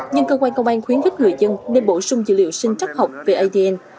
nhưng cơ quan công an khuyến khích người dân nên bổ sung dữ liệu sinh trắc học về adn